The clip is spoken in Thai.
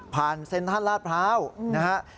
ผ่านเซ็นทรัศน์ลาภาวนะครับ